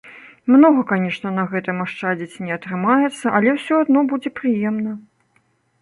Многа, канешне, на гэтым ашчадзіць не атрымаецца, але ўсё адно будзе прыемна.